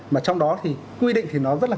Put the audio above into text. mà trong đó thì quy định thì nó rất là